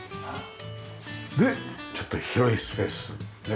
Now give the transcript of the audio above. でちょっと広いスペース。